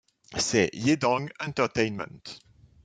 C’est Yedang Entertainment.